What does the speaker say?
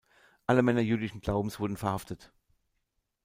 Alle Männer jüdischen Glaubens wurden verhaftet.